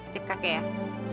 titip kakek ya